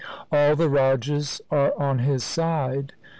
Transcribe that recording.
All the rajas are on his side.